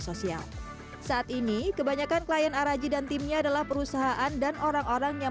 sosial saat ini kebanyakan klien araji dan timnya adalah perusahaan dan orang orang yang